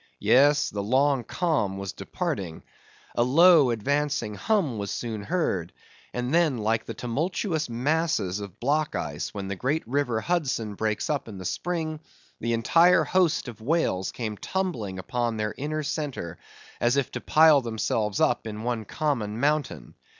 Yes, the long calm was departing. A low advancing hum was soon heard; and then like to the tumultuous masses of block ice when the great river Hudson breaks up in Spring, the entire host of whales came tumbling upon their inner centre, as if to pile themselves up in one common mountain.